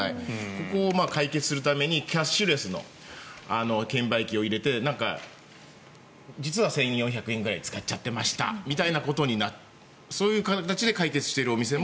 ここを解決するためにキャッシュレスの券売機を入れてなんか、実は１４００円ぐらい使っちゃっていましたみたいなことでそういう形で解決してるお店も。